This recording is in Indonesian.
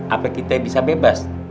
apa kita bisa bebas